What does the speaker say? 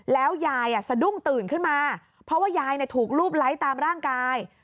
แล้วยายสะดุ้งตื่นขึ้นมาเพราะว่ายายถูกรูปไลค์ตามร่างกาย